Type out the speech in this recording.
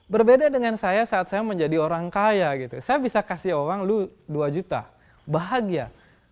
berbeda dengan saya saat saya menjadi orang kaya gitu saya bisa kasih uang lu dua juta bahagia